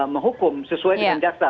menghukum sesuai dengan jaksa